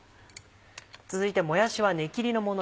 続いてもやしは根切りのもの